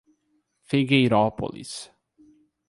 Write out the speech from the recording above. Figueirópolis